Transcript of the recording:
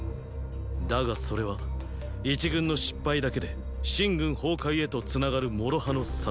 だがそれは一軍の失敗だけで秦軍崩壊へとつながる“諸刃”の策。